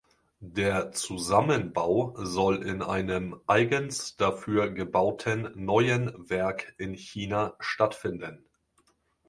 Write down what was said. Der Zusammenbau soll in einem eigens dafür gebauten neuen Werk in China stattfinden.